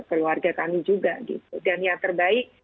keluarga kami juga gitu dan yang terbaik